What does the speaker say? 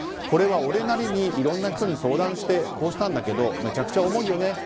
これは俺なりにいろんな人に相談して、こうしたんだけどめちゃくちゃ重いよね